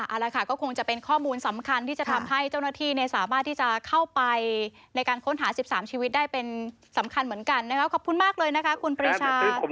อ่าอะไรค่ะก็คงจะเป็นข้อมูลสำคัญที่จะทำให้เจ้าหน้าที่เนี่ยสามารถที่จะเข้าไปในการค้นหาสิบสามชีวิตได้เป็นสำคัญเหมือนกันนะครับ